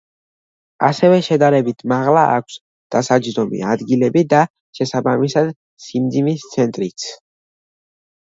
ასევე შედარებით მაღლა აქვს დასაჯდომი ადგილები და შესაბამისად სიმძიმის ცენტრიც.